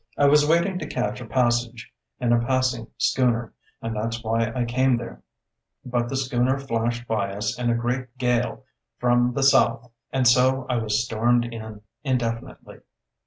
I was waiting to catch a passage in a passing schooner, and that's why I came there; but the schooner flashed by us in a great gale from the south, and so I was stormed in indefinitely.